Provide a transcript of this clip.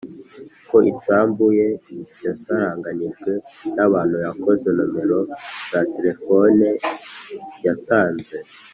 ko isambu ye yasaranganijwe n abantu yakoze Nomero za telefoni yatanze